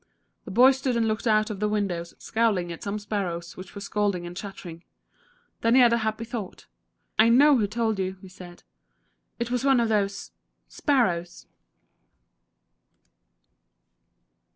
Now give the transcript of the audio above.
The boy stood and looked out of the window, scowling at some sparrows which were scolding and chattering. Then he had a happy thought. "I know who told you," he said. "It was one of those sparrows."